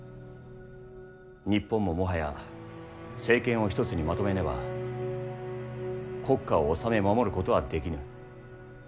日本も、もはや政権を一つにまとめねば国家を治め守ることはできぬ。